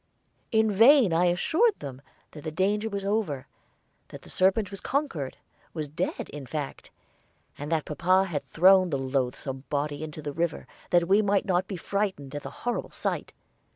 In vain I assured them that the danger was over, that the serpent was conquered was dead, in fact; and that papa had thrown the loathsome body into the river, that we might not be frightened at the horrible sight.